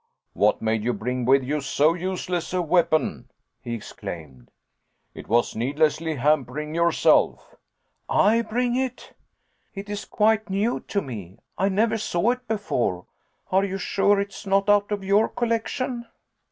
"What made you bring with you so useless a weapon?" he exclaimed. "It was needlessly hampering yourself." "I bring it? It is quite new to me. I never saw it before are you sure it is not out of your collection?"